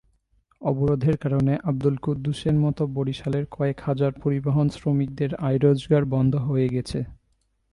অবরোধের কারণে আবদুল কুদ্দুসের মতো বরিশালের কয়েক হাজার পরিবহনশ্রমিকের আয়-রোজগার বন্ধ হয়ে গেছে।